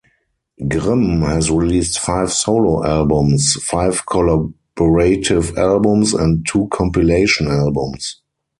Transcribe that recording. Grimm has released five solo albums, five collaborative albums and two compilation albums.